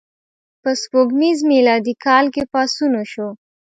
په سپوږمیز میلادي کال کې پاڅون وشو.